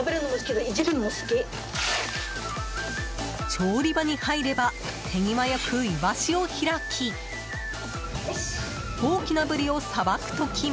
調理場に入れば手際よくイワシを開き大きなブリをさばく時も。